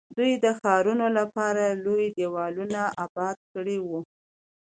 دوی د ښارونو لپاره لوی دیوالونه اباد کړي وو.